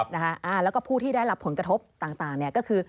แล้วก็ผู้ที่ได้รับผลกระทบต่างก็คือ